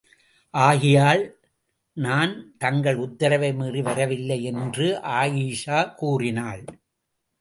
ஆகையால், நான் தங்கள் உத்தரவை மீறி வரவில்லை என்று ஆயிஷா கூறினாள்.